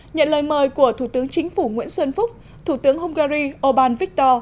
nhận lời mời của thủ tướng chính phủ nguyễn xuân phúc thủ tướng hungary orbán victor